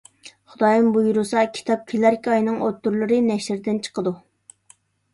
خۇدايىم بۇيرۇسا، كىتاب كېلەركى ئاينىڭ ئوتتۇرىلىرى نەشردىن چىقىدۇ.